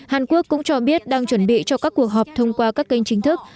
hàn quốc cũng cho biết đang chuẩn bị cho các cuộc họp thông qua các kênh chính thức